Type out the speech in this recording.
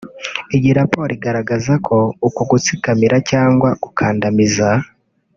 Iyi raporo igaragaza ko uku gutsikamira cyangwa gukandamiza